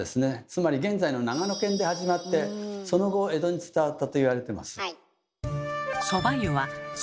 つまり現在の長野県で始まってその後江戸に伝わったと言われてます。